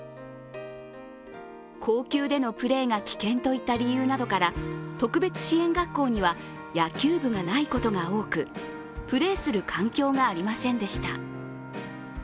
硬球でのプレーが危険といった理由などから、特別支援学校には野球部がないことが多くプレーする環境がありませんでした。